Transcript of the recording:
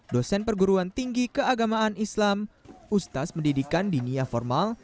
dosen perguruan tinggi keagamaan islam ustaz pendidikan dinia formal